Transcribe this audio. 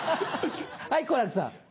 はい好楽さん。